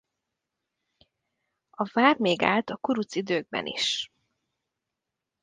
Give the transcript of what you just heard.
A vár még állt a kuruc időkben is.